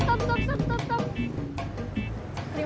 aku ucap tolong sem zegat